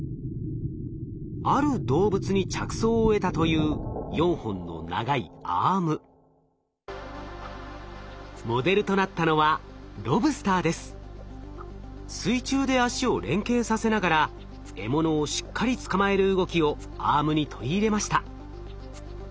ある動物に着想を得たというモデルとなったのは水中であしを連携させながら獲物をしっかり捕まえる動きをアームに取り入れました。